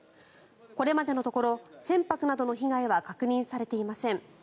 これまでのところ船舶などの被害は確認されていません。